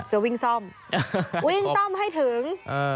จะวิ่งซ่อมวิ่งซ่อมให้ถึง